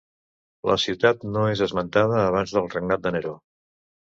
La ciutat no és esmentada abans del regnat de Neró.